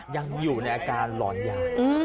ยังอยู่ในอาการหลอนยา